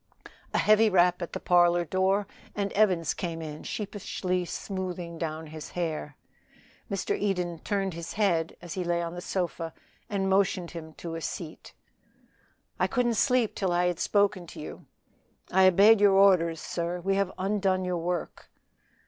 A heavy rap at the parlor door, and Evans came in sheepishly smoothing down his hair. Mr. Eden turned his head as he lay on the sofa and motioned him to a seat. "I couldn't sleep till I had spoken to you. I obeyed your orders, sir. We have undone your work."